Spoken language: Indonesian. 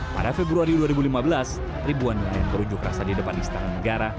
pada februari dua ribu lima belas ribuan nelayan berunjuk rasa di depan istana negara